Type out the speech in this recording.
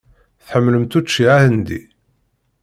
Tḥemmlemt učči ahendi?